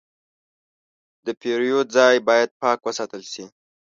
د پیرود ځای باید پاک وساتل شي.